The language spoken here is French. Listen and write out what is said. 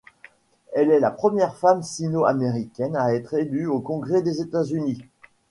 Elle est la première femme sino-américaine à être élue au Congrès des États-Unis.